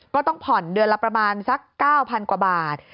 ก็ต้องผ่อนเดือนละประมาณสัก๙๐๐กว่าบาท